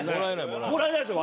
もらえないですよ